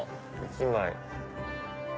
１枚。